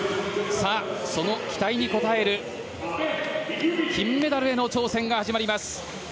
その期待に応える金メダルへの挑戦が始まります。